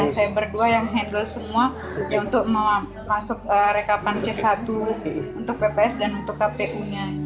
saya berdua yang handle semua untuk masuk rekapan c satu untuk pps dan untuk kpu nya